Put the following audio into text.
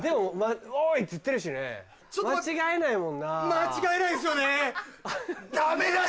間違えないっすよね。